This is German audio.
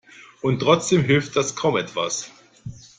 Und trotzdem hilft es kaum etwas.